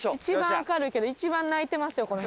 一番明るいけど一番泣いてますよ